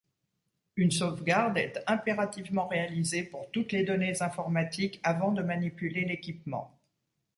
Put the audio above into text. Une sauvegarde est impérativement réalisée pour toutes les données informatiques avant de manipuler l'équipement.